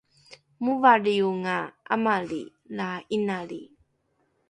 movalrionga amali la inali